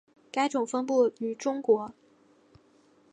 该种分布于中国。